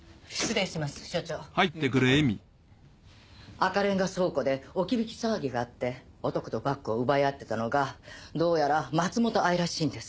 赤レンガ倉庫で置き引き騒ぎがあって男とバッグを奪い合ってたのがどうやら松本藍らしいんです。